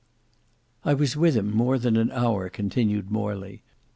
"I was with him more than an hour," continued Morley.